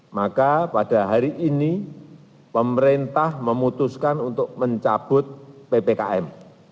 maka pada hari ini pemerintah memutuskan untuk mencabut ppkm